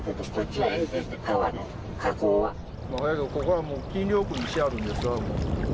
そやけどここは禁漁区にしよるんですわ。